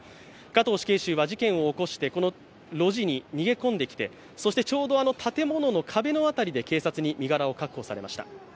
加藤死刑囚は事件を起こしてこの路地に逃げ込んできてそして、ちょうど建物の壁の辺りで警察に身柄を確保されました。